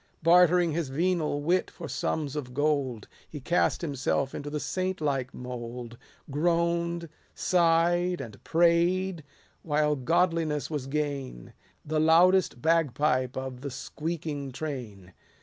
Bartering his venal wit for sums of gold, He cast himself into the saint like mould ; Groan'd, sigh'd, and pray'd, while godliness was gain— The loudest bagpipe of the squeaking train.